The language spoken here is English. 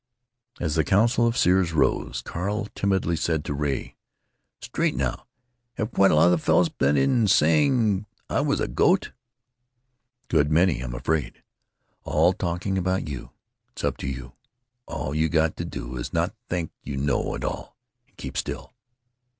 As the council of seers rose, Carl timidly said to Ray, "Straight, now, have quite a lot of the fellows been saying I was a goat?" "Good many, I'm afraid. All talking about you.... It's up to you. All you got to do is not think you know it all, and keep still.